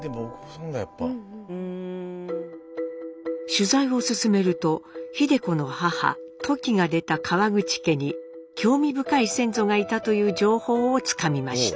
取材を進めると秀子の母トキが出た川口家に興味深い先祖がいたという情報をつかみました。